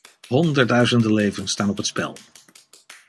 Honderdduizenden levens staan op het spel.